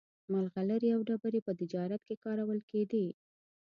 مرغلرې او ډبرې په تجارت کې کارول کېدې.